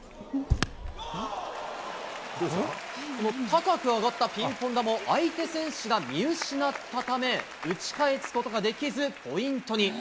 高く上がったピンポン球を相手選手が見失ったため、打ち返すことができず、ポイントに。